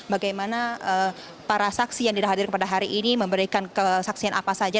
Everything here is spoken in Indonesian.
bagaimana para saksi yang didahadir kepada hari ini memberikan kesaksian apa saja